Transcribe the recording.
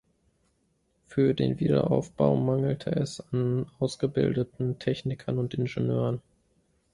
Für den Wiederaufbau mangelte es an ausgebildeten Technikern und Ingenieuren.